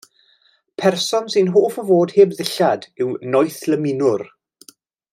Person sy'n hoff o fod heb ddillad yw noethlymunwr.